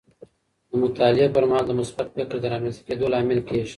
د مطالعې پر مهال د مثبت فکر د رامنځته کیدو لامل کیږي.